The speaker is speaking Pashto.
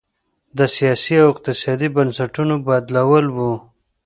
د سیاسي او اقتصادي بنسټونو بدلول و.